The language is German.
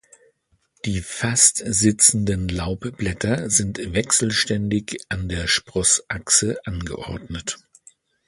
Die fast sitzenden Laubblätter sind wechselständig an der Sprossachse angeordnet.